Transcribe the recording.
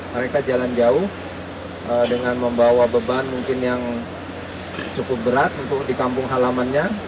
mereka jalan jauh dengan membawa beban mungkin yang cukup berat untuk di kampung halamannya